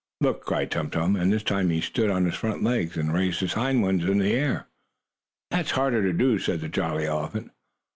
"Look!" cried Tum Tum, and this time he stood on his front legs, and raised his hind ones in the air. "That's harder to do," said the jolly elephant.